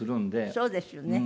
そうですよね。